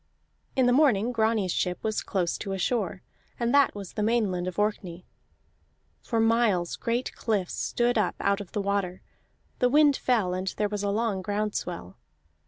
In the morning Grani's ship was close to a shore, and that was the Mainland of Orkney. For miles great cliffs stood up out of the water, the wind fell, and there was a long ground swell.